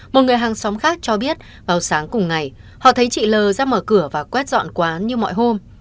một người hàng xóm khác cho biết vào sáng cùng ngày họ thấy chị l ra mở cửa và quét dọn quán như mọi hôm